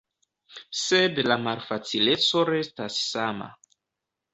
Sed la malfacileco restas sama.